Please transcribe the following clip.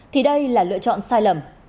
thì đây là lựa chọn sai lầm